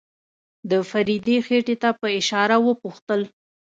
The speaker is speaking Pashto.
د فريدې خېټې ته په اشاره وپوښتل.